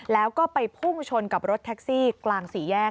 แล้วก็ไปพุ่งชนกับรถแท็กซี่กลางสี่แยก